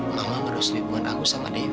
mama merestui keuangan aku sama dewi